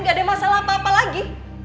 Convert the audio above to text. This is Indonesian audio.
gak ada masalah apa apa lagi